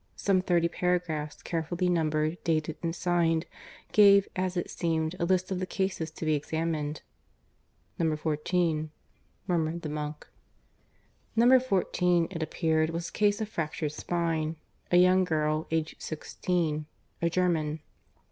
Some thirty paragraphs, carefully numbered, dated, and signed, gave, as it seemed, a list of the cases to be examined. "Number fourteen," murmured the monk. Number fourteen, it appeared, was a case of fractured spine a young girl, aged sixteen; a German.